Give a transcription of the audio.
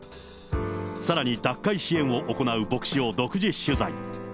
さらに脱会支援を行う牧師を独自取材。